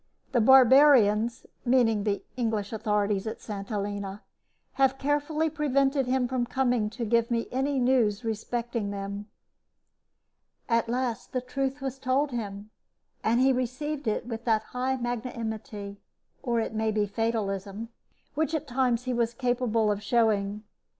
The barbarians (meaning the English authorities at St. Helena) have carefully prevented him from coming to give me any news respecting them." At last the truth was told him, and he received it with that high magnanimity, or it may be fatalism, which at times he was capable of showing.